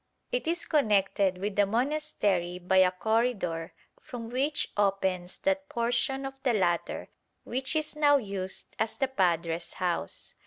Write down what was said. It is connected with the monastery by a corridor from which opens that portion of the latter which is now used as the padre's house.